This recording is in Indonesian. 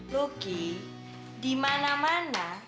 loki di mana mana